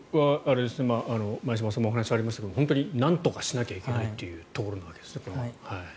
前嶋さんからもお話がありましたが、本当になんとかしなければいけないというところなんですね。